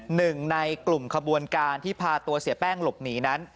หนึ่งในกลุ่มขบวนการที่พาตัวเสียแป้งหลบหนีนั้น